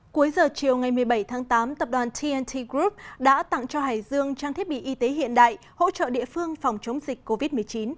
cuối giờ chiều ngày một mươi bảy tháng tám tập đoàn tnt group đã tặng cho hải dương trang thiết bị y tế hiện đại hỗ trợ địa phương phòng chống dịch covid một mươi chín